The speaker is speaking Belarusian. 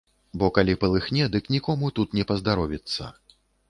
Бо калі палыхне, дык нікому тут не паздаровіцца.